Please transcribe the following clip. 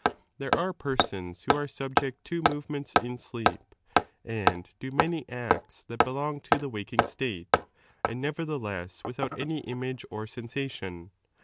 There are persons who are subject 19 to movements in sleep, and do many acts that belong to ' the wakjog state, and nevertheless without any image I Or sensation.